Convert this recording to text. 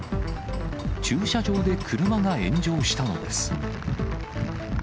駐車場で車が炎上したのです。